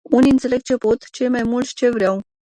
Unii ințeleg ce pot, cei mai mulți ce vreau.